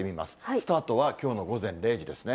スタートはきょうの午前０時ですね。